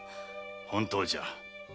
本当じゃ。